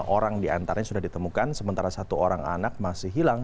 enam orang diantaranya sudah ditemukan sementara satu orang anak masih hilang